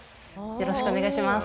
よろしくお願いします。